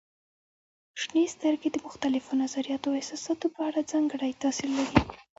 شنې سترګې د مختلفو نظریاتو او احساساتو په اړه ځانګړی تاثير لري.